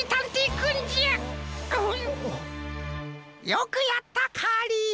よくやったカーリー。